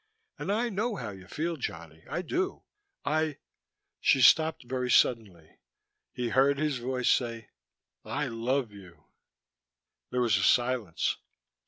And I know how you feel, Johnny, I do I " She stopped very suddenly. He heard his voice say: "I love you." There was a silence.